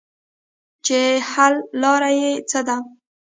چې حل لاره ئې څۀ ده -